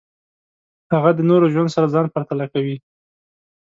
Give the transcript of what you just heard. هغه د نورو له ژوند سره ځان پرتله کوي.